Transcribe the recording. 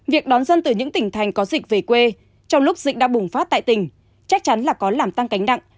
việc đón dân từ những tỉnh thành có dịch về quê trong lúc dịch đã bùng phát tại tỉnh chắc chắn là có làm tăng cánh nặng